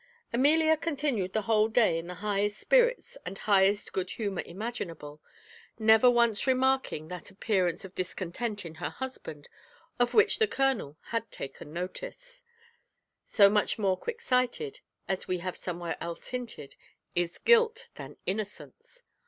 Amelia continued the whole day in the highest spirits and highest good humour imaginable, never once remarking that appearance of discontent in her husband of which the colonel had taken notice; so much more quick sighted, as we have somewhere else hinted, is guilt than innocence.